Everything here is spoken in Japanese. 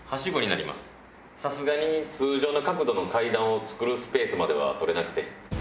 さすがに通常の角度の階段を造るスペースまでは取れなくて。